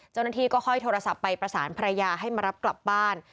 เจ้าหน้าที่ก็ค่อยโทรศัพท์ไปประสานภรรยาให้มารับกลับบ้าน